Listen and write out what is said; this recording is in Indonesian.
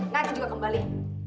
nanti juga kembali